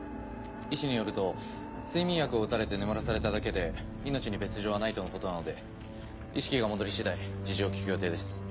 医師によると睡眠薬を打たれて眠らされただけで命に別条はないとのことなので意識が戻り次第事情を聞く予定です。